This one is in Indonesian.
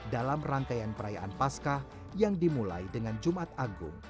dalam rangkaian perayaan pascah yang dimulai dengan jumat agung